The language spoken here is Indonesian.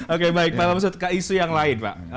oke baik pak bamsud ke isu yang lain pak